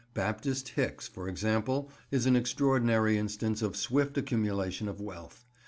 Baptist Hicks, for example, is an extraordinary instance of swift accumulation of wealth.